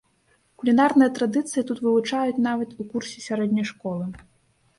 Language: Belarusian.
Кулінарныя традыцыі тут вывучаюць нават у курсе сярэдняй школы.